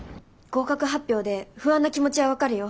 合格発表で不安な気持ちは分かるよ。